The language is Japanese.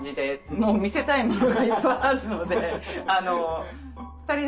もう見せたいものがいっぱいあるので。